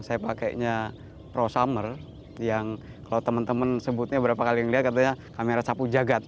saya pakainya pro summer yang kalau teman teman sebutnya berapa kali yang lihat katanya kamera sapu jagad